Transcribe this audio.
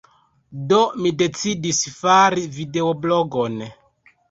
Do mi decidis fari videoblogon.